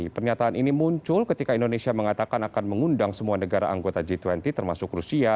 pernyataan ini muncul ketika indonesia mengatakan akan mengundang semua negara anggota g dua puluh termasuk rusia